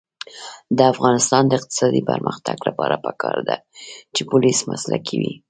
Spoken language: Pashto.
د افغانستان د اقتصادي پرمختګ لپاره پکار ده چې پولیس مسلکي وي.